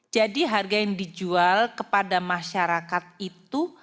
jadi harga yang dijual kepada masyarakat itu